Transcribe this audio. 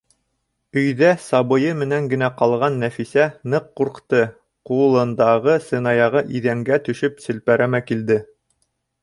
Өйҙә сабыйы менән генә ҡалған Нәфисә ныҡ ҡурҡты, ҡулындағы сынаяғы иҙәнгә төшөп селпәрәмә килде.